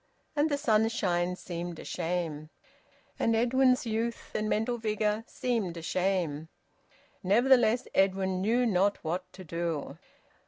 And the sunshine seemed a shame; and Edwin's youth and mental vigour seemed a shame. Nevertheless Edwin knew not what to do.